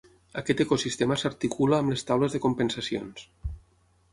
Aquest ecosistema s'articula amb les taules de compensacions.